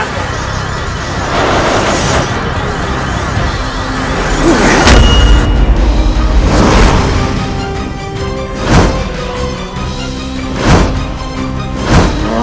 aku tidak percaya